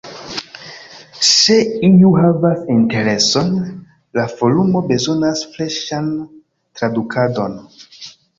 Se iu havas intereson, la forumo bezonas freŝan tradukadon.